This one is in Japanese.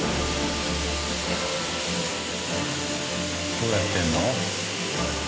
どうやってるの？